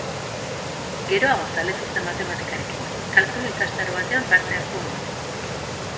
Geroago zaletu zen matematikarekin, kalkulu-ikastaro batean parte hartu ondoren.